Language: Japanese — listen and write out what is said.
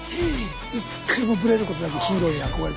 １回もぶれることなくヒーローに憧れ続けて。